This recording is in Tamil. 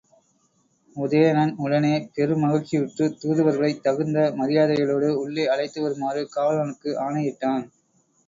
உதயணன் உடனே பெருமகிழ்ச்சியுற்றுத் தூதுவர்களைத் தகுந்த மரியாதைகளோடு உள்ளே அழைத்து வருமாறு காவலனுக்கு ஆணையிட்டான்.